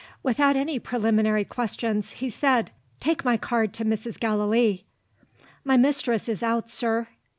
Without any preliminary questions, he said, "Take my card to Mrs. Gallilee." "My mistress is out, sir."